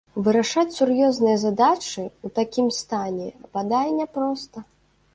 Вырашаць сур'ёзныя задачы ў такім стане, бадай, няпроста.